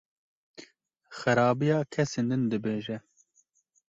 Xerabiya kesên din dibêje.